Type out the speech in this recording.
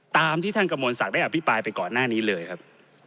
ตามที่ท่านกระมวลศักดิ์ได้อภิปรายไปก่อนหน้านี้เลยครับ